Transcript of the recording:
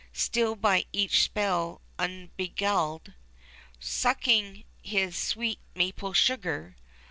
Still by each spell unbeguiled. Sucking his sweet maple sugar.